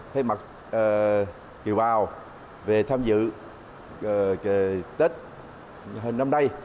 thay mặt kiều bào về tham dự tết năm nay